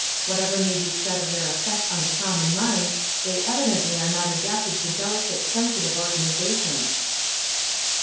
Whatever may be said of their effect on the common mind, they evidenly are not adapted to delicate, sensitive organizations."